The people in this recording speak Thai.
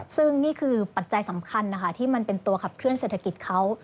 ซึ่งนี่คือปัจจัยสำคัญนะคะที่มันเป็นตัวขับเคลื่อเศรษฐกิจเขา